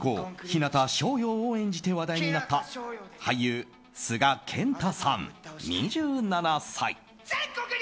陽を演じて話題になった俳優・須賀健太さん、２７歳。